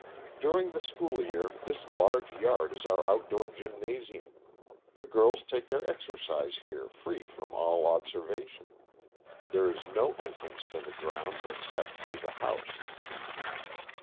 "During the school year, this large yard is our outdoor gymnasium. The girls take their exercise here free from all observation. There is no entrance to the grounds, except through the house."